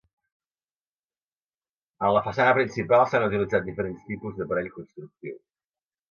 En la façana principal s'han utilitzat diferents tipus d'aparell constructiu.